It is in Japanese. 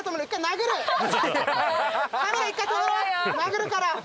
殴るから。